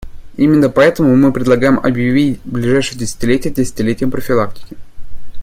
Именно поэтому мы предлагаем, объявить ближайшее десятилетие десятилетием профилактики.